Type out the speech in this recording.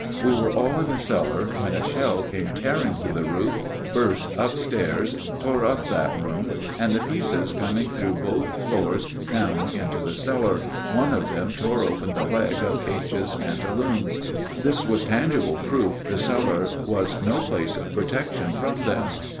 We were all in the cellar, when a shell came tearing through the roof, burst up stairs, tore up that room, and the pieces coming through both floors down into the cellar, one of them tore open the leg of H.'s pantaloons. This was tangible proof the cellar was no place of protection from them.